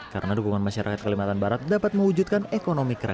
karena dukungan masyarakat kalimantan barat dapat mewujudkan ekonomi kerakyatan